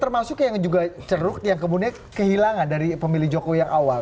termasuk yang juga ceruk yang kemudian kehilangan dari pemilih jokowi yang awal